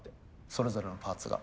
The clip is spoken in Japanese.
それぞれのパーツが。